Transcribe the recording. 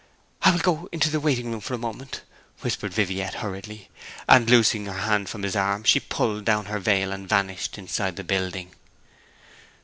'I will go to the waiting room for a moment,' whispered Viviette hurriedly; and, loosing her hand from his arm, she pulled down her veil and vanished inside the building.